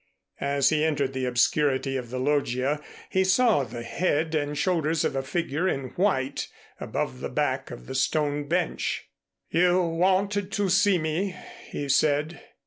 As he entered the obscurity of the loggia, he saw the head and shoulders of a figure in white above the back of the stone bench. "You wanted to see me?" he said.